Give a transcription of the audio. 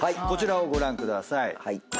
こちらをご覧ください。